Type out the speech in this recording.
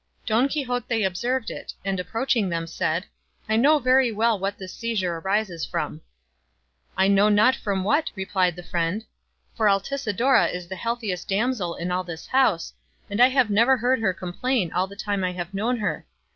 Don Quixote observed it, and approaching them said, "I know very well what this seizure arises from." "I know not from what," replied the friend, "for Altisidora is the healthiest damsel in all this house, and I have never heard her complain all the time I have known her.